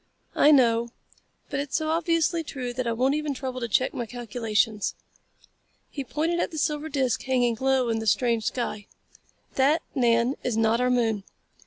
"I know, but it's so obviously true that I won't even trouble to check my calculations." He pointed at the silver disc hanging low in the strange sky. "That, Nan, is not our moon.